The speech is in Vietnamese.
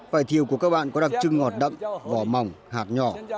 vải thiều của các bạn có đặc trưng ngọt đậm vỏ mỏng hạt nhỏ